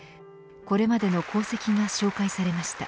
これまでの功績が紹介されました。